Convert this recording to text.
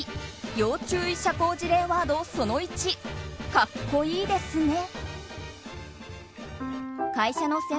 要注意社交辞令ワードその１、格好いいですね。